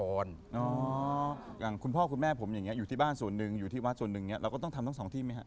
อย่างคุณพ่อคุณแม่ผมอย่างนี้อยู่ที่บ้านส่วนหนึ่งอยู่ที่วัดส่วนหนึ่งเนี่ยเราก็ต้องทำทั้งสองที่ไหมครับ